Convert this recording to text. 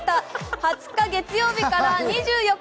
２０日月曜日から２４日